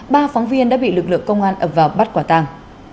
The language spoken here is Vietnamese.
ba phóng viên đã bị lực lượng công an ập vào bắt quả tàng